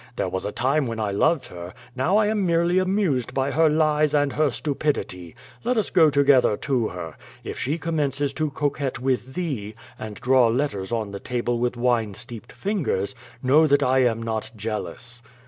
There was a time when I loved her, now I am merely amused by her lies and her stupidity. Let us go together to her. If she commences to coquette with thee, and draw letters on the table with wine steeped fingers, know that I am not jealous."